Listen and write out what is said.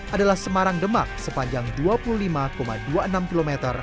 adalah semarang demak sepanjang dua puluh lima dua puluh enam km